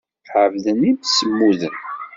Ɛebden imsemmuden.